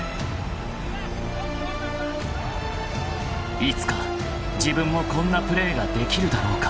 ［いつか自分もこんなプレーができるだろうか］